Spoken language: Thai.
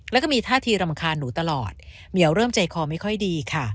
แล้วก็มีท่าทีรำคาญหนูตลอดเหมียวเริ่มใจคอไม่ค่อยดีค่ะ